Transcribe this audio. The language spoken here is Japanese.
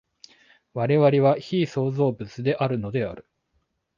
我々は被創造物であるのである。